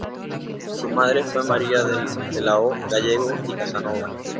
Su madre fue María de la O Gallegos y Casanova.